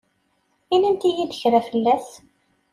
Inimt-yi-d kra fell-as.